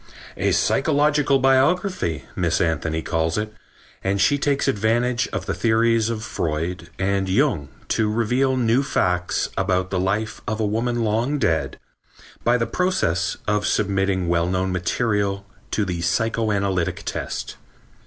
"A psychological biography," Miss Anthony calls it, and she takes advantage of the theories of Freud and Jung to reveal new facts about the life of a woman long dead, by the process of submitting well known material to the psychoanalytic test.